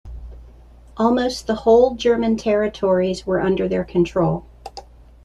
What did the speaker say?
Almost the whole German territories were under their control.